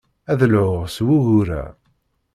Ad d-lhuɣ s wugur-a.